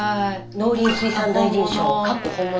農林水産大臣賞カッコ本物。